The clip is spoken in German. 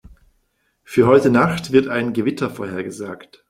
Für heute Nacht wird ein Gewitter vorhergesagt.